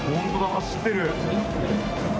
走ってる。